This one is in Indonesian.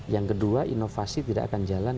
yang kedua inovasi tidak akan jalan